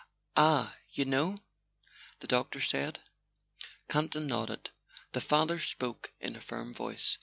"Ah—you know?" the doctor said. Campton nodded. The father spoke in a firm voice.